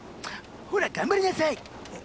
ほら頑張りなさい。